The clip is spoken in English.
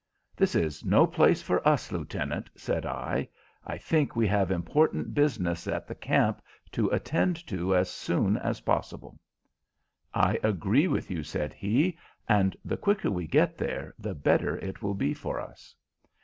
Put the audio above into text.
"This is no place for us, Lieutenant," said I; "I think we have important business at the camp to attend to as soon as possible." "I agree with you," said he, "and the quicker we get there the better it will be for us."